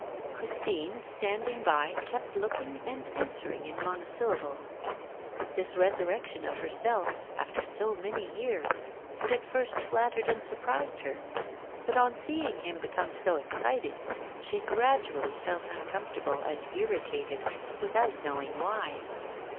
Christine, standing by, kept looking and answering in monosyllables. This resurrection of herself, after so many years, had at first flattered and surprised her. But on seeing him become so excited, she gradually felt uncomfortable and irritated, without knowing why.